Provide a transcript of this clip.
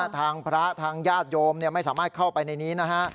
ทางพระทางญาติโยมไม่สามารถเข้าไปในนี้นะฮะ